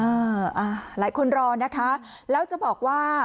อ่าหลายคนรอนะคะแล้วจะบอกว่า